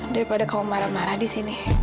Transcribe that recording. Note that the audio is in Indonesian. daripada kau marah marah di sini